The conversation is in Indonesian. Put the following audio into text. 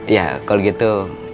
ya kalau gitu